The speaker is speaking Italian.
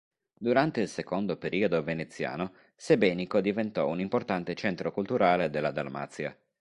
Durante il secondo periodo veneziano Sebenico diventò un importante centro culturale della Dalmazia.